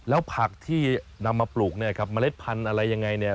แล้วผักที่นำมาปลูกไมล็ดพันธุ์อะไรอย่างไร